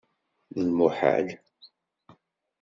D lmuḥal!